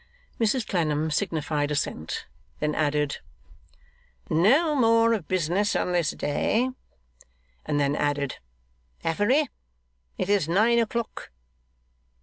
Mrs Clennam signified assent; then added, 'No more of business on this day,' and then added, 'Affery, it is nine o'clock.